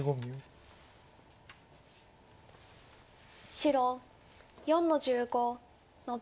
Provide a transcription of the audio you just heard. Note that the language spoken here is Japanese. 白４の十五ノビ。